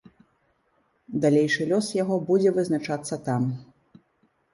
Далейшы лёс яго будзе вызначацца там.